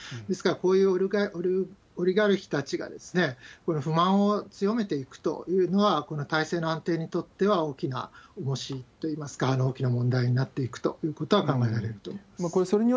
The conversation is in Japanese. ですから、こういうオリガルヒたちが不満を強めていくというのは、体制の安定にとっては大きなおもしといいますか、大きな問題になっていくということは考えられると思います。